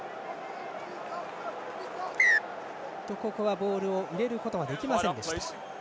ボールを入れることができませんでした。